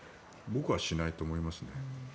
僕はしないと思いますね。